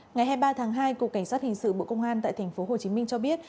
ngày hai mươi ba tháng hai cục cảnh sát hình sự bộ công an tại tp hcm cho biết